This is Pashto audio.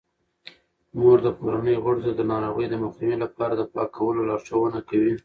مور د کورنۍ غړو ته د ناروغیو د مخنیوي لپاره د پاکولو لارښوونه کوي.